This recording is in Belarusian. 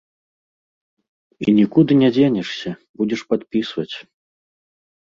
І нікуды не дзенешся, будзеш падпісваць.